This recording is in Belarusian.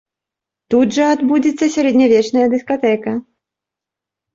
Тут жа адбудзецца сярэднявечная дыскатэка.